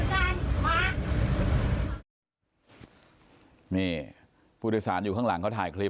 วัฒนาพุทธสารอยู่ข้างหลังเขาถ่ายคลิบ